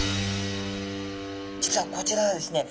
実はこちらはですね